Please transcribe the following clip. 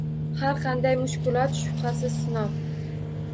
Har qanday mushkulot, shubhasiz, sinov